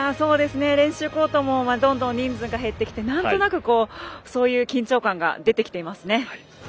練習コートもどんどん人数が減ってきて減ってきて、なんとなくそういう緊張感が出てきていますね。